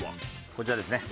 こちらですね。